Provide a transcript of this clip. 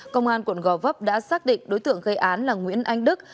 công an quận gò vấp đã xác định đối tượng gây án là nguyễn anh đức